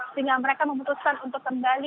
sehingga mereka memutuskan untuk kembali